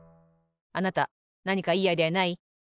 あなたなにかいいアイデアない？